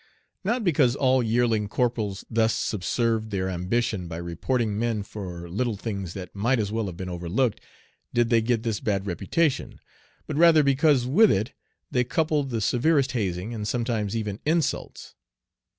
Not because all yearling corporals thus subserved their ambition by reporting men for little things that might as well have been overlooked, did they get this bad reputation, but rather because with it they coupled the severest hazing, and sometimes even insults.